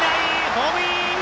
ホームイン！